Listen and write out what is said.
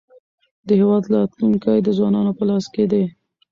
د هېواد راتلونکی د ځوانانو په لاس کې دی.